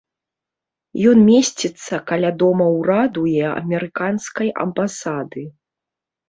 Ён месціцца каля дома ўраду і амерыканскай амбасады.